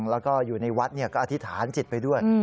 แล้วก็อยู่ในวัดก็อธิษฐานจิตไปด้วย